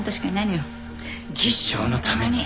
技師長のために。